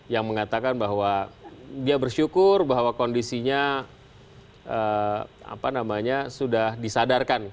yang mengatakan bahwa dia bersyukur bahwa kondisinya sudah disadarkan